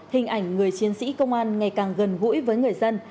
hình ảnh người chiến sĩ công an ngày càng gần gũi với người dân